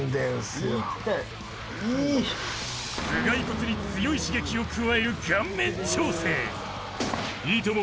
いっ頭蓋骨に強い刺激を加える顔面調整いとも